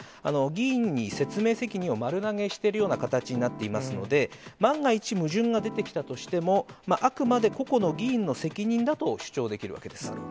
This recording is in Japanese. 議員に説明責任を丸投げしているような形になっていますので、万が一、矛盾が出てきたとしても、あくまで個々の議員の責任だと主張できるわけです。